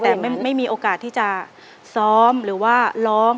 แต่ไม่มีโอกาสที่จะซ้อมหรือว่าร้อง